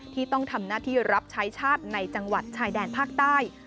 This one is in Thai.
ที่ต้องทำหน้าที่รับใช้ชาติในจังหวัดชายแดนภาคใต้